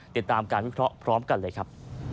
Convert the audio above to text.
ติดตามการวิเคราะห์พร้อมกันเลยครับ